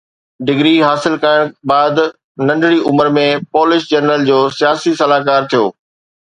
degree حاصل ڪرڻ بعد ننڍي عمر ۾ پولش جنرل جو سياسي صلاحڪار ٿيو